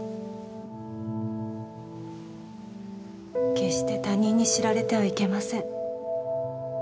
決して他人に知られてはいけません